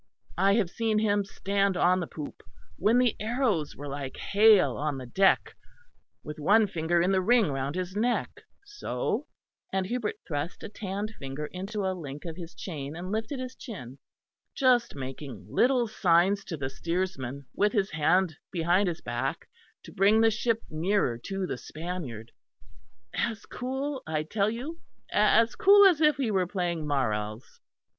I have seen him stand on the poop, when the arrows were like hail on the deck, with one finger in the ring round his neck, so": and Hubert thrust a tanned finger into a link of his chain, and lifted his chin, "just making little signs to the steersman, with his hand behind his back, to bring the ship nearer to the Spaniard; as cool, I tell you, as cool as if he were playing merelles.